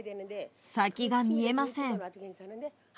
先が見えません。